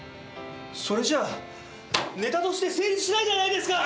それじゃあネタとして成立しないじゃないですか！